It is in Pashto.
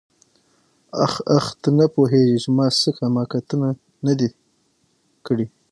آخ آخ ته نه پوهېږې چې ما څه حماقتونه نه دي کړي.